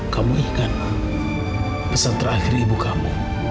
kamu ingat pesan terakhir ibu kamu